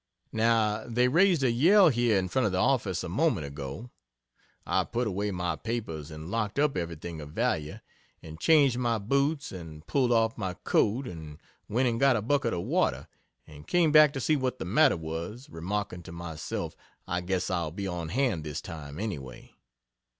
Now they raised a yell here in front of the office a moment ago. I put away my papers, and locked up everything of value, and changed my boots, and pulled off my coat, and went and got a bucket of water, and came back to see what the matter was, remarking to myself, "I guess I'll be on hand this time, any way."